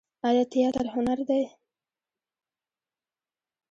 آیا تیاتر هنر دی؟